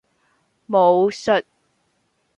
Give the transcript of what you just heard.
武術